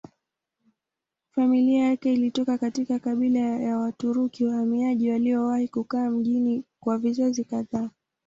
Familia yake ilitoka katika kabila ya Waturuki wahamiaji waliowahi kukaa mjini kwa vizazi kadhaa.